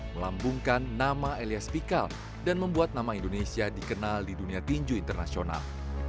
melambungkan nama elias pikal dan membuat nama indonesia dikenal di dunia tinju internasional